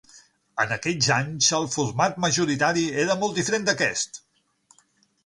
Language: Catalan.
En aquells anys, el format majoritari era molt diferent d'aquest.